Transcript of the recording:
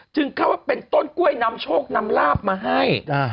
เข้าว่าเป็นต้นกล้วยนำโชคนำลาบมาให้